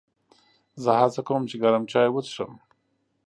زه هڅه کوم چې ګرم چای وڅښم.